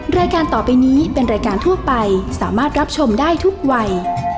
ต้องกินเมื่อไหร่อย่าใช้ไว้